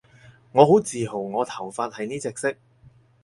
我好自豪我頭髮係呢隻色